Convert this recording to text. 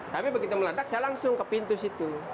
tapi begitu meledak saya langsung ke pintu situ